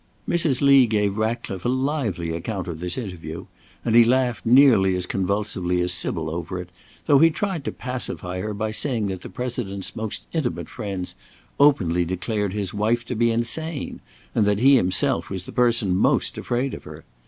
Mrs. Lee gave Ratcliffe a lively account of this interview, and he laughed nearly as convulsively as Sybil over it, though he tried to pacify her by saying that the President's most intimate friends openly declared his wife to be insane, and that he himself was the person most afraid of her.